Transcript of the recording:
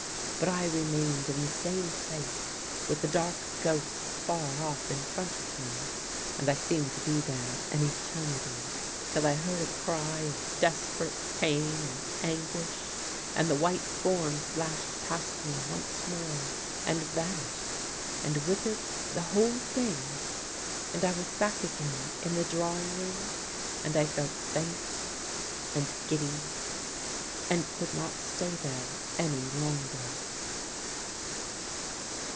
But I remained in the same place with the dark ghosts far off in front of me. And I seemed to be there an eternity till I heard a cry of desperate pain and anguish, and the white form flashed past me once more, and vanished, and with it the whole thing, and I was back again in the drawing room, and I felt faint and giddy, and could not stay there any longer."